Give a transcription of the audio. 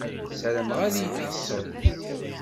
Sarameɣ ad yi-d-tḥesseḍ.